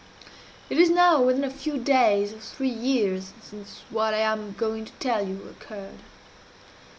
"It is now within a few days of three years since what I am going to tell you occurred.